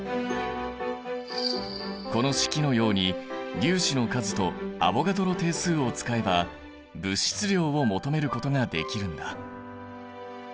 この式のように粒子の数とアボガドロ定数を使えば物質量を求めることができるんだ。